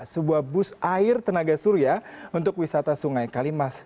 sebuah bus air tenaga surya untuk wisata sungai kalimas